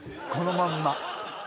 このまんま。